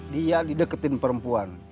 dia dideketin perempuan